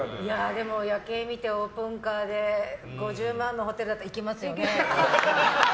でも夜景を見てオープンカーで５０万のホテルだったら行きますよね。